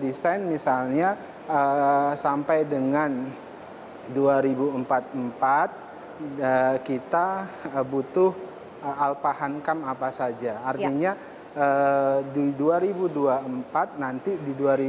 desain misalnya sampai dengan dua ribu empat puluh empat kita butuh alphahankam apa saja artinya di dua ribu dua puluh empat nanti di